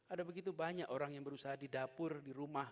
ada begitu banyak orang yang berusaha di dapur di rumah